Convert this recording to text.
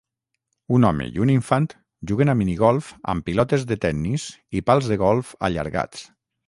Un home i un infant juguen a minigolf amb pilotes de tennis i pals de golf allargats.